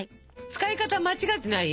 使い方間違っていない？